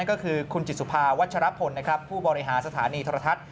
ก็คือคุณจิตสุภาวัชรพลนะครับผู้บริหารสถานีโทรทัศน์